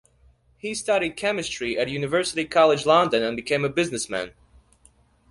He studied chemistry at University College London and became a businessman.